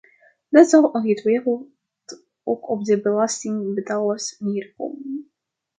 Dat zal ongetwijfeld ook op de belastingbetalers neerkomen.